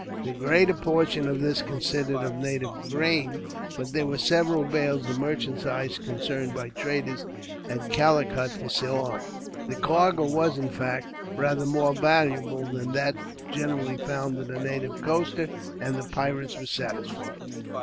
The greater portion of this consisted of native grains, but there were several bales of merchandise, consigned by traders at Calicut for Ceylon. The cargo was, in fact, rather more valuable than that generally found in a native coaster, and the pirates were satisfied.